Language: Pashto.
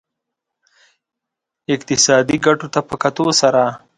اقتصادي ګټو ته په کتلو سره.